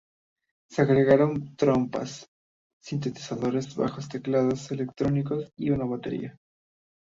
Se agregaron trompas, sintetizadores, bajos, teclados electrónicos y una batería.